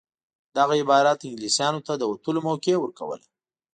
دغه عبارت انګلیسیانو ته د وتلو موقع ورکوله.